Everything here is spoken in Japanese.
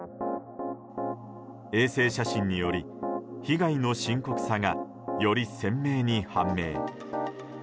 衛星写真により被害の深刻さがより鮮明に判明。